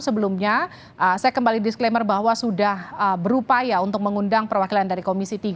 sebelumnya saya kembali disclaimer bahwa sudah berupaya untuk mengundang perwakilan dari komisi tiga